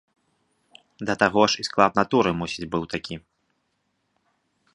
Да таго ж і склад натуры мусіць быў такі.